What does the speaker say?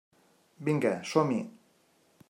Vinga, som-hi!